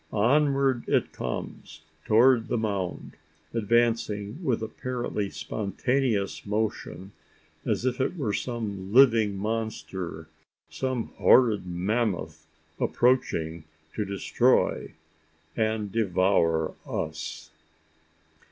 Onward it comes toward the mound advancing with apparently spontaneous motion, as if it were some living monster some horrid mammoth approaching to destroy and devour us!